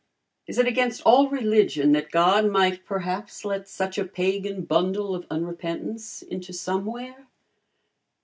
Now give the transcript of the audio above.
Is it against all religion that God might perhaps let such a pagan bundle of unrepentance into Somewhere?